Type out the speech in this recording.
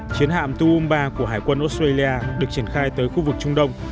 chiến hạm tu ba của hải quân australia được triển khai tới khu vực trung đông